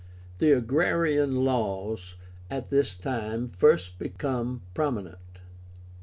The AGRARIAN LAWS at this time first become prominent.